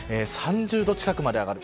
３０度近くまで上がる。